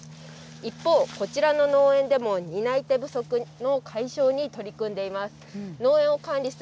一方、こちらの農園でも担い手不足の解消に取り組んでいます。